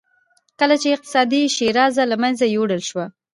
کله چې اقتصادي شیرازه له منځه یووړل شوه.